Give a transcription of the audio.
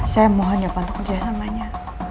saya mohon ya pak untuk kerjasamanya